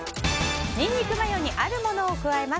ニンニクマヨにあるものを加えます。